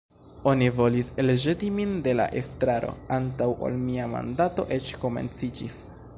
Oni volis elĵeti min de la estraro antaŭ ol mia mandato eĉ komenciĝis!